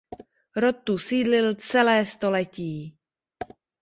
Rod tu sídlil celé století.